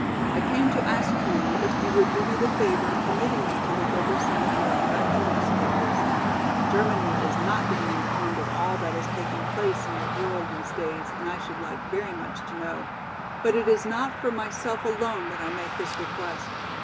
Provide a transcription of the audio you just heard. I came to ask you if you would do me the favor of permitting me to look over some of your American newspapers. Germany is not being informed of all that is taking place in the world these days and I should like very much to know. But it is not for myself alone that I make this request.